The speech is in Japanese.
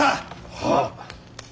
はっ。